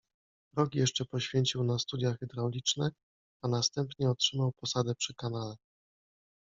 Rok jeszcze poświęcił na studia hydrauliczne, a następnie otrzymał posadę przy kanale.